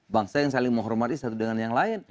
bangsa yang saling menghormati satu dengan yang lain